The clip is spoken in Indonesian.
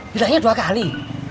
bilangnya dua kali